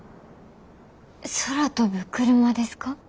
空飛ぶクルマですか？